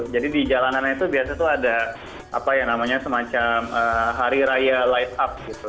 jadi di jalanannya itu biasanya tuh ada apa yang namanya semacam hari raya light up gitu